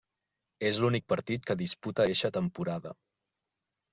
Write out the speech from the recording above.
És l'únic partit que disputa eixa temporada.